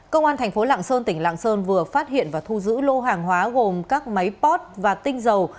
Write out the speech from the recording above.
công an thành phố lạng sơn tỉnh lạng sơn vừa phát hiện và thu giữ lô hàng hóa gồm các máy pot và tinh dầu